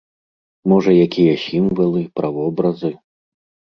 Можа якія сімвалы, правобразы?